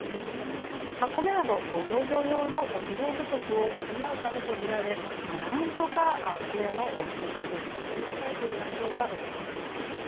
米など農業用の肥料不足を補うためと見られ、なんとか米の収穫を実現したいという内情がうかがわれます。